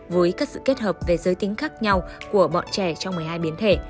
với các sự kết hợp về giới tính khác nhau của bọn trẻ trong một mươi hai biến thể